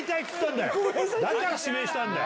⁉だから指名したんだよ！